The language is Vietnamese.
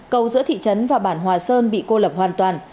cầu giữa thị trấn và bản hòa sơn bị cô lập hoàn toàn